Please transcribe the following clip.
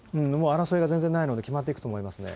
争いが全然ないので、決まっていくと思いますね。